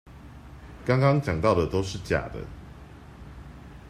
剛剛講到的都是假的